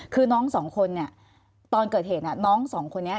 คือน้องสองคนเนี่ยตอนเกิดเหตุน้องสองคนนี้